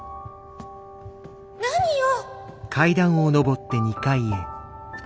何よ。